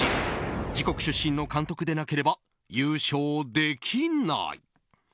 自国出身の監督でなければ優勝できない。